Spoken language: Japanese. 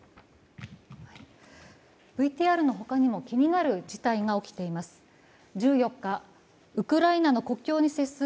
ＶＴＲの他にも気になる事態が起きています。